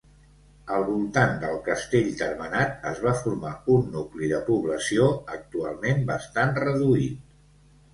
Al voltant del castell termenat es va formar un nucli de població, actualment bastant reduït.